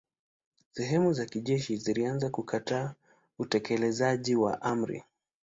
Sehemu za jeshi zilianza kukataa utekelezaji wa amri.